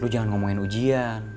lu jangan ngomongin ujian